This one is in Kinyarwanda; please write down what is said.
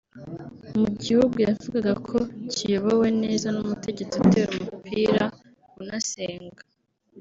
mu gihugu yavugaga ko kiyobowe neza n’umutegetsi utera umupira unasenga